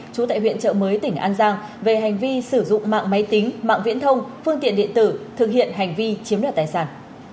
trú tại huyện trợ mới tỉnh an giang về hành vi sử dụng mạng máy tính mạng viễn thông phương tiện điện tử thực hiện hành vi chiếm đoạt tài sản